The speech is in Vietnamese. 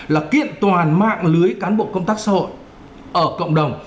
là kiện toàn mạng lưới cán bộ công tác xã hội ở cộng đồng